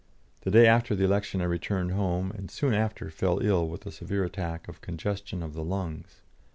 The day after the election I returned home, and soon after fell ill with a severe attack of congestion of the lungs.